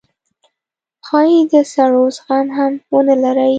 ښايي د سړو زغم هم ونه لرئ